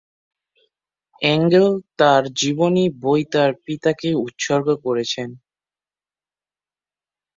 Angle তার জীবনী বই তার পিতাকে উৎসর্গ করেছেন।